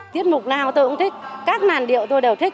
tiết mục nào tôi cũng thích các màn điệu tôi đều thích